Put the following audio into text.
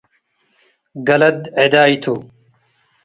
ገለድ ዕዳይ ቱ።